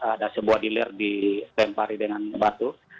ada sebuah dilir ditempari dengan batu